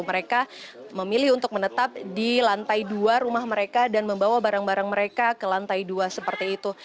mereka memilih untuk menetap di lantai dua rumah mereka dan membawa barang barang mereka ke lantai dua seperti itu